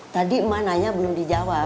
tadi emang nanya belum dijawab